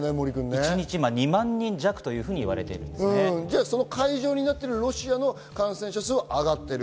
一日２万人弱と言われていま会場になっているロシアの感染者数は上がっている。